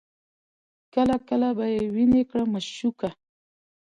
کله کله به یې ویني کړه مشوکه